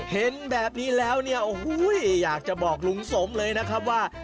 เห็นแบบนี้แล้วเนี่ยโอ้โหอยากจะบอกลุงสมเลยนะครับว่า